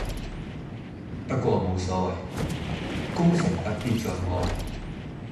不過冇所謂，功成不必在我